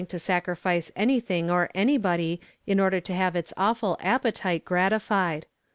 311 to sacrifice anything or anybody in order to have Its awful appetite gratilied.